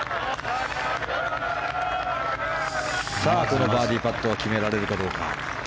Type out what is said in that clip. このバーディーパットを決められるかどうか。